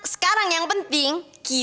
sekarang yang penting